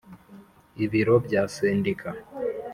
Ibiro bya Sendika